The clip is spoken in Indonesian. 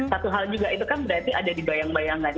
satu hal juga itu kan berarti ada di bayang bayangan